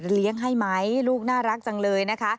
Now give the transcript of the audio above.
เลี้ยงให้ไหมลูกน่ารักจังเลยนะคะ